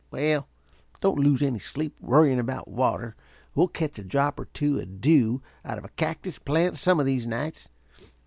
Well, don't lose any sleep worrying about water. We'll catch a drop or two of dew out of a cactus plant some of these nights.